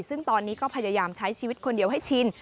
ซึ่งตอนนี้ก็พยายามใช้ชีวิตคนเดียวให้ชิน